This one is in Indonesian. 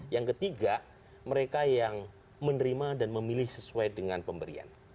yang ketiga mereka yang menerima dan memilih sesuai dengan pemberian